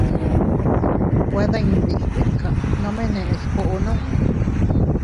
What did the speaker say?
Nwe dindi stika, nome neʼes koʼo nunni.